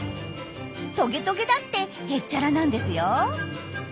トゲトゲだってへっちゃらなんですよ。